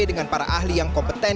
dengan para ahli yang kompeten